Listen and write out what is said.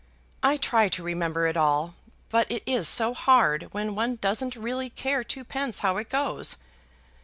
I try to remember it all, but it is so hard when one doesn't really care two pence how it goes.